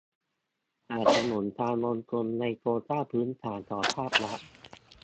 สนับสนุนการลงทุนในโครงสร้างพื้นฐานของภาครัฐ